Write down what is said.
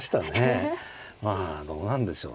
まあどうなんでしょうね。